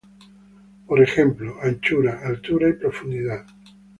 Por ejemplo, anchura, altura y profundidad.